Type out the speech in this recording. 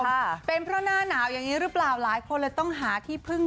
ค่ะเป็นเพราะหน้าหนาวอย่างนี้หรือเปล่าหลายคนเลยต้องหาที่พึ่ง